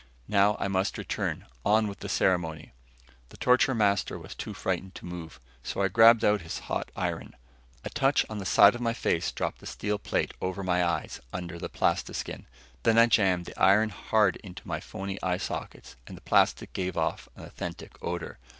Now I must return on with the ceremony!" The torture master was too frightened to move, so I grabbed out his hot iron. A touch on the side of my face dropped a steel plate over my eyes, under the plastiskin. Then I jammed the iron hard into my phony eye sockets and the plastic gave off an authentic odor.